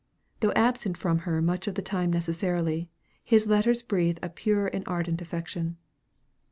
Though absent from her much of the time necessarily, his letters breathe a pure and ardent affection.